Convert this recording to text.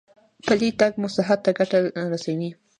پلی تګ مو صحت ته ګټه رسوي.